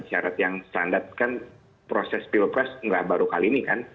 syarat yang standar kan proses pilpres nggak baru kali ini kan